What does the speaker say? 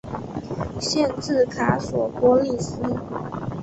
县治卡索波利斯。